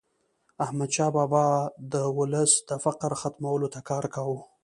احمدشاه بابا به د ولس د فقر ختمولو ته کار کاوه.